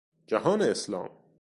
جهان اسلام